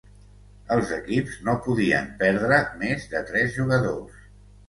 Els equips no podien perdre més de tres jugadors.